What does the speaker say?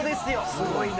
すごいな。